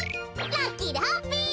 ラッキーでハッピー！